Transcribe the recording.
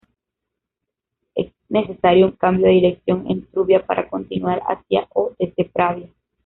Es necesario un cambio de dirección en Trubia para continuar hacia o desde Pravia.